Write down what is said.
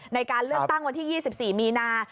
ในการเลือกตั้งวันที่๒๔มีนา